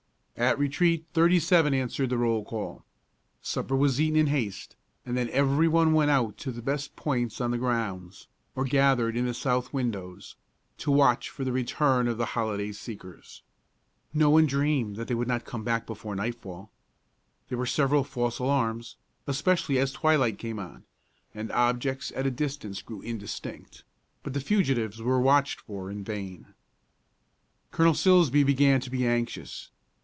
At retreat thirty seven answered the roll call. Supper was eaten in haste, and then every one went out to the best points on the grounds, or gathered in the south windows, to watch for the return of the holiday seekers. No one dreamed that they would not come back before nightfall. There were several false alarms, especially as twilight came on, and objects at a distance grew indistinct; but the fugitives were watched for in vain. Colonel Silsbee began to be anxious.